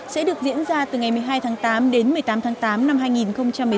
sẽ được diễn ra từ ngày một mươi hai tháng tám đến một mươi tám tháng tám năm hai nghìn một mươi chín